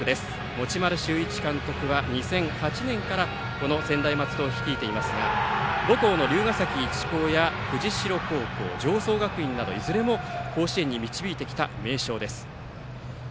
持丸修一監督は２００８年からこの専大松戸を率いていますが母校の竜ヶ崎一校や常総学院など、いずれも甲子園に導いてきた優勝です。